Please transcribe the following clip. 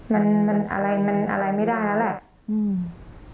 มันมันอะไรมันอะไรไม่ได้แล้วแหละอืม